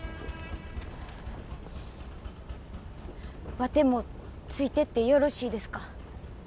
ワテもついてってよろしいですか？